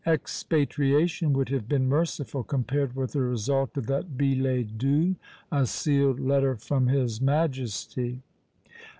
Expatriation would have been merciful compared with the result of that billet doux, a sealed letter from his majesty!